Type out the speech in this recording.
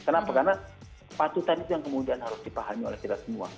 kenapa karena kepatutan itu yang kemudian harus dipahami oleh kita semua